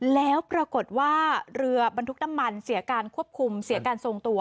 แล้วปรากฏว่าเรือบรรทุกน้ำมันเสียการควบคุมเสียการทรงตัว